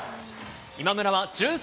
今村は１３